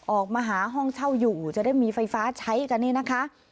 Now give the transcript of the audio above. ออกมาหาห้องเช่าอยู่จะได้มีไฟฟ้าใช้กันนี่นะคะ